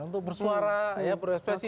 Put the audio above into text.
untuk bersuara ya berekspresi